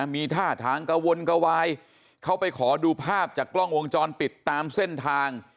มีท่าทางกระวนกระวายเขาไปขอดูภาพจากกล้องวงจรปิดตามเส้นทาง